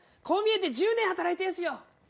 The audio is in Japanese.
こう見えて１０年働いてるんです。